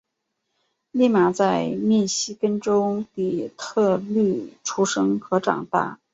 俪玛在密西根州底特律出生和长大。